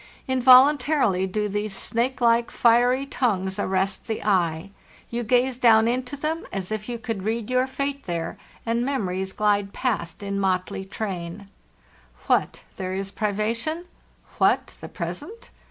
involuntarily do these snake like, fiery tongues arrest the eye; you gaze down into them as if you could read your fate there, and memories glide past in motley train. What, then, is privation? What the present?